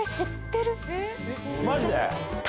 マジで？